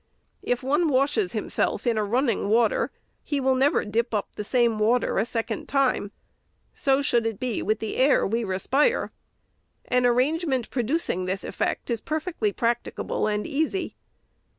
If one washes himself in running water, he will never dip up the same water a second time. So should it be with the air we respire. An arrangement producing this effect is perfectly practicable and easy.